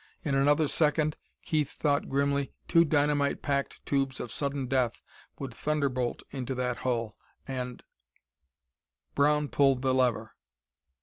In another second, Keith thought grimly, two dynamite packed tubes of sudden death would thunderbolt into that hull, and Brown pulled the lever.